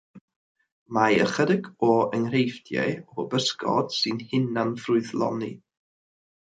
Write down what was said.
Mae ychydig o enghreifftiau o bysgod sy'n hunan-ffrwythloni.